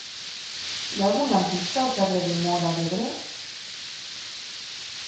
Hi ha algun lampista al carrer de Móra d'Ebre?